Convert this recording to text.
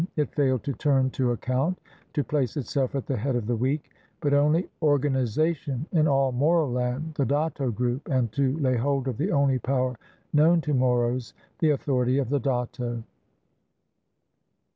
It failed to turn to accoimt, to place itself at the head of the weak, but only organization in all Moro land, the datto group, and to lay hold of the only power known to Moros, the authority of the datto.